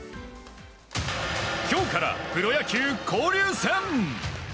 今日からプロ野球交流戦！